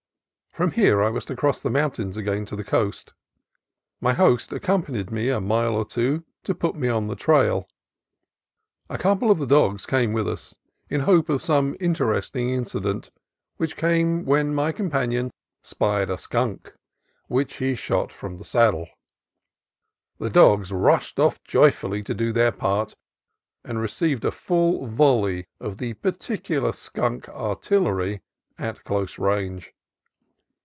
From here I was to cross the mountains again to the coast. My host accompanied me a mile or two to put me on the trail. A couple of the dogs came with us, in hope of some interesting incident, which came DIGGER PINES 187 when my companion spied a skunk, which he shot from the saddle. The dogs rushed off joyfully to do their part, and received a full volley of the pe culiar skunk artillery at close range.